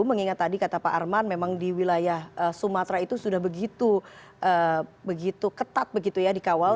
mengingat tadi kata pak arman memang di wilayah sumatera itu sudah begitu ketat begitu ya dikawal